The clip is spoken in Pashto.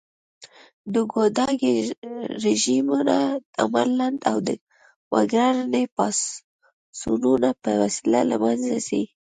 د ګوډاګي رژيمونه عمر لنډ او د وګړني پاڅونونو په وسیله له منځه ځي